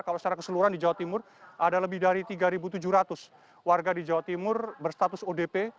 kalau secara keseluruhan di jawa timur ada lebih dari tiga tujuh ratus warga di jawa timur berstatus odp